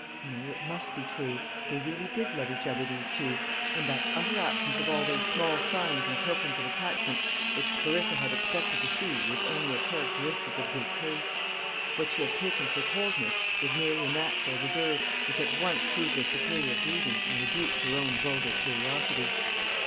No, it must be true. They really did love each other, these two, and that utter absence of all those small signs and tokens of attachment which Clarissa had expected to see was only a characteristic of good taste. What she had taken for coldness was merely a natural reserve, which at once proved their superior breeding and rebuked her own vulgar curiosity.